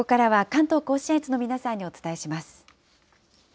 関東甲信越の皆さんにお伝えします。